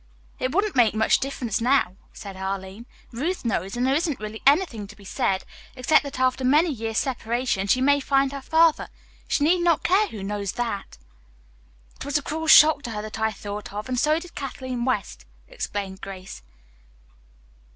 "It wouldn't make much difference now," said Arline. "Ruth knows, and there isn't really anything to be said except that after many years' separation she may find her father. She need not care who knows that." "It was the cruel shock to her that I thought of, and so did Kathleen West," explained Grace.